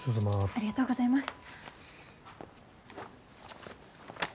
ありがとうございます。